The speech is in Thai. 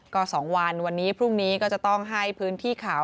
ก็๒วันวันนี้พรุ่งนี้ก็จะต้องให้พื้นที่ข่าว